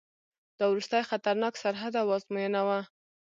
دا وروستی خطرناک سرحد او آزموینه وه.